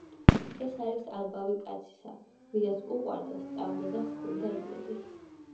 ეს არის „ამბავი კაცისა, ვისაც უყვარდა, სწამდა და ჰქონდა იმედი“.